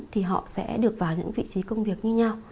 thì họ sẽ được vào những vị trí công việc như nhau